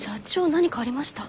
何かありました？